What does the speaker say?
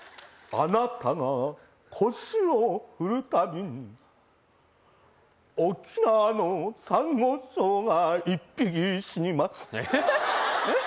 あなたが腰を振るたびに沖縄のサンゴ礁が１匹死にますえっ！？